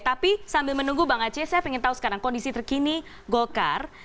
tapi sambil menunggu bang aceh saya ingin tahu sekarang kondisi terkini golkar